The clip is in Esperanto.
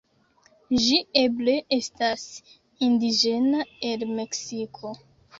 Ĝi eble estas indiĝena el Meksiko.